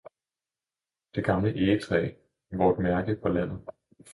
Det gamle egetræ, vort mærke på landet!